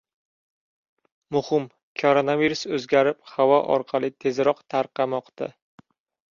Muhim! Koronavirus o‘zgarib, havo orqali tezroq tarqamoqda